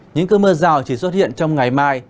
những cơn mưa rào chỉ xuất hiện trong ngày mai